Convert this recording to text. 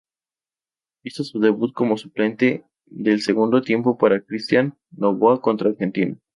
Hizo su debut como suplente del segundo tiempo para Christian Noboa contra Argentina.